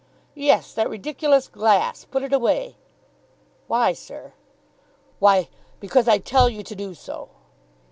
"Yes, that ridiculous glass. Put it away." "Why, sir?" "Why! Because I tell you to do so."